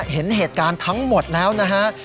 เห็นเหตุการณ์ทั้งหมดแล้วนะฮะ